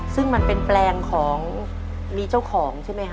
ซึ่งมันเป็นแปลงของมีเจ้าของใช่ไหมคะ